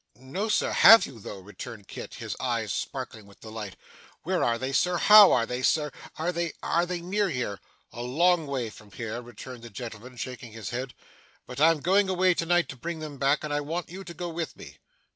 'No, Sir! Have you, though?' returned Kit, his eyes sparkling with delight. 'Where are they, Sir? How are they, Sir? Are they are they near here?' 'A long way from here,' returned the gentleman, shaking his head. 'But I am going away to night to bring them back, and I want you to go with me.